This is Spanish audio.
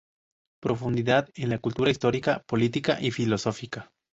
Profundidad en la cultura histórica, política y filosófica.